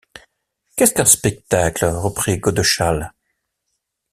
Qu’est-ce qu’un spectacle ? reprit Godeschal.